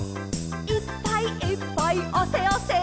「いっぱいいっぱいあせあせ」